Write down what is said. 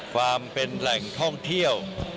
ความเป็นแหล่งท่องเที่ยว